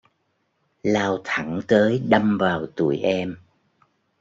lao thẳng tới đâm vào tụi em